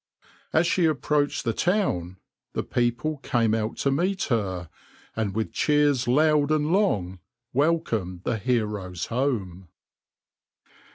As she approached the town, the people came out to meet her, and with cheers loud and long welcomed the heroes home.